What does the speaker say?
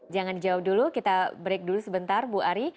jangan dijawab dulu kita break dulu sebentar bu ari